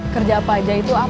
kerja apa aja itu apa